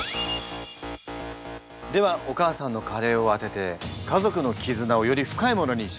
ではお母さんのカレーを当てて家族の絆をより深いものにしましょう。